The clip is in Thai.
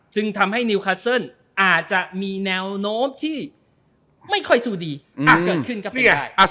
จึงทำให้อาจจะมีแนวโน้มที่ไม่ค่อยสู้ดีอ่าเกิดขึ้นก็เป็น